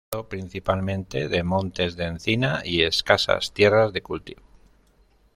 Rodeado principalmente de montes de encina y escasas tierras de cultivo.